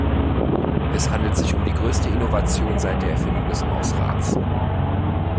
Es handelt sich um die größte Innovation seit der Erfindung des Mausrads.